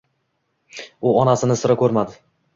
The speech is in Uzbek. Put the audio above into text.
U onasini sira ko‘rmadi.